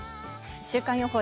週間予報